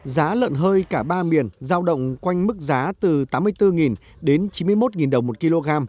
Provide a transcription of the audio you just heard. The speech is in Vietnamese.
giá lợn hơi cả ba miền giao động quanh mức giá từ tám mươi bốn đến chín mươi một đồng một kg